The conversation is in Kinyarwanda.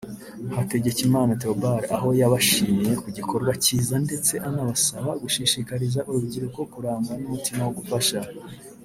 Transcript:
Hategekimana Theobald aho yabashimiye ku gikorwa cyiza ndetse anabasaba gushishikariza urubyiruko kurangwa n’umutima wo gufasha